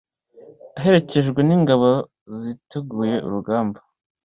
aherekejwe n’ ingabo ziteguye urugamba.